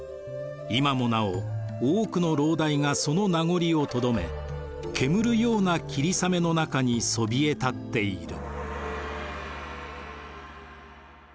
今もなお多くの楼台がその名残をとどめ煙るような霧雨の中にそびえたっている」。